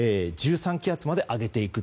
１３気圧まで上げていく。